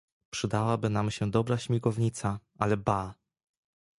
"przydała by nam się dobra śmigownica, ale ba!"